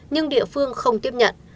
nhưng địa phương không tiếp nhận